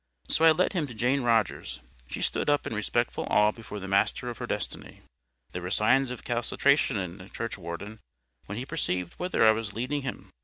So I led him to Jane Rogers. She stood up in respectful awe before the master of her destiny. There were signs of calcitration in the churchwarden, when he perceived whither I was leading him.